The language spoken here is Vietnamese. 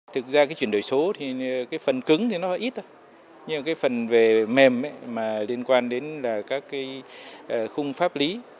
thực ra cái chuyển đổi số thì cái phần cứng thì nó ít nhưng cái phần về mềm mà liên quan đến là các cái khung pháp lý